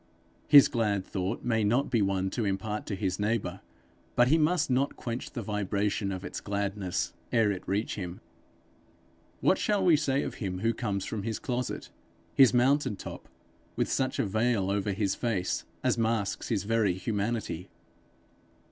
His glad thought may not be one to impart to his neighbour, but he must not quench the vibration of its gladness ere it reach him. What shall we say of him who comes from his closet, his mountain top, with such a veil over his face as masks his very humanity?